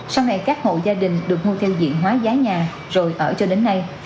sau này các hộ gia đình được mua theo diện hóa giá nhà rồi ở cho đến nay